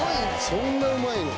「そんなうまいの？」